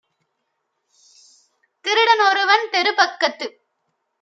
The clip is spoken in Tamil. திருடன் ஒருவன் தெருப்பக்கத்து